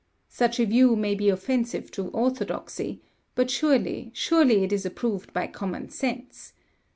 "Such a view may be offensive to orthodoxy, but surely, surely it is approved by common sense.